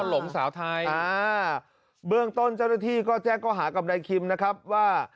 หลงสาวไทยอ่าเบื้องต้นเจ้าหน้าที่ก็แจ้งข้อหากับนายคิมนะครับว่า